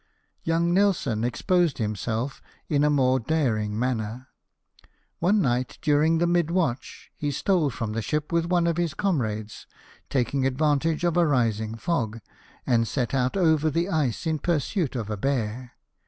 Young Nelson exposed himself in a more daring manner. One night, during the mid watch, he stole from the ship with one of his comrades, taking advantage of a rising fog, and set out over the ice in pursuit of a bear.